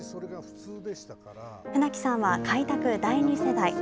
船木さんは開拓第２世代。